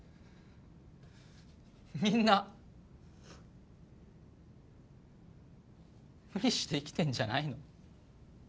みんな無理して生きてんじゃないの？